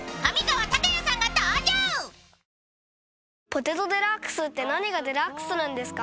「ポテトデラックス」って何がデラックスなんですか？